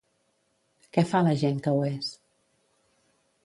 Què fa la gent que ho és?